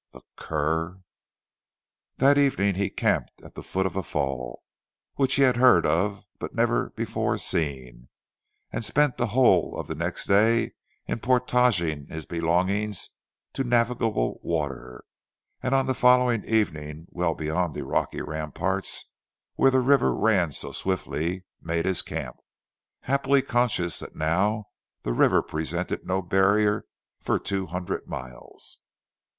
The cur!" That evening he camped at the foot of a fall, which he had heard of, but never before seen, and spent the whole of the next day in portaging his belongings to navigable water, and on the following evening well beyond the rocky ramparts, where the river ran so swiftly, made his camp, happily conscious that now the river presented no barrier for two hundred miles.